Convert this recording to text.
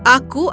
aku tidak tahu